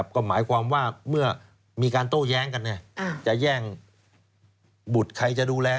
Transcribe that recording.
ก็หมายความว่าเมื่อมีการโต้แย้งกันจะแย่งบุตรใครจะดูแล